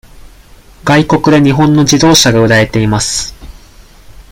外国で日本の自動車が売られています。